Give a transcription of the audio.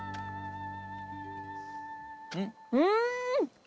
うん！